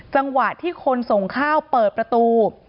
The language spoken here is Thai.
จังหวะที่คนส่งข้าวเปิดประตู